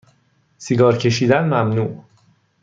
سیگار کشیدن ممنوع